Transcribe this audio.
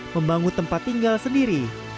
membangun tempat tinggal sendiri